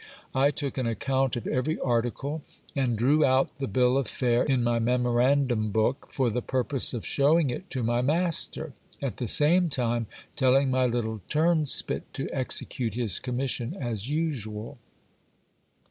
I took an account of every article; and drew out the bill of fare in my memorandum book, for the purpose of shewing it to my master : at the same time telling my little turnspit to execute his commission as usual.